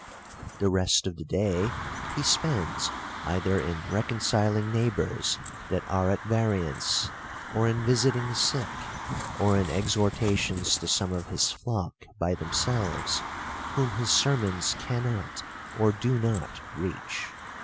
The rest of the day he spends either in reconciling neighbors that are at vaiiance ; or in visiting the sick ; or in exhortations to some of his flock by themselves, whom his sermons cannot, or do not, reach.